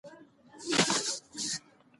د هرات اختیار الدین کلا ډېره پخوانۍ ده.